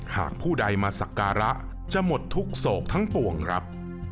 หากผู้ใดมาสักการะจะหมดทุกโศกทั้งปวงครับ